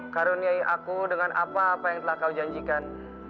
karuniai aku dengan apa apa yang telah kau janjikan